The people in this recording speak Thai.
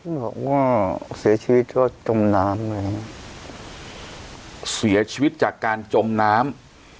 บอกว่าเสียชีวิตก็จมน้ำนะฮะเสียชีวิตจากการจมน้ำ